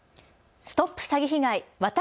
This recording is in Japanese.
ＳＴＯＰ詐欺被害！